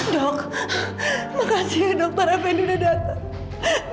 dok makasih dok para pendidik datang